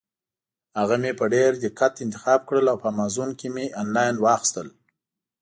هغه مې په ډېر دقت انتخاب کړل او په امازان کې مې انلاین واخیستل.